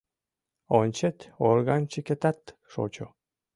Ончет — органчикетат шочо!